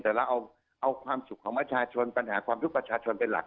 แต่เราเอาความสุขของปัญหาทุกวัชชนเป็นหลัก